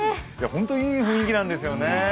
本当にいい雰囲気なんですよね。